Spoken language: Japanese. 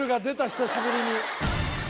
久しぶりに。